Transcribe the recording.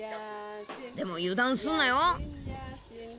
でも油断すんなよ。